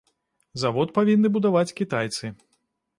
Завод павінны будаваць кітайцы.